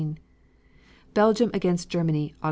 Belgium against Germany, Aug.